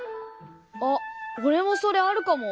おれもそれあるかも！